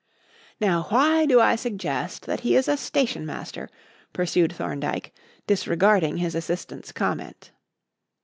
"Now why do I suggest that he is a stationmaster?" pursued Thorndyke, disregarding his assistant's comment.